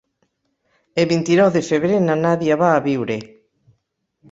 El vint-i-nou de febrer na Nàdia va a Biure.